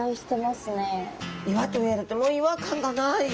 岩と言われても違和感がない。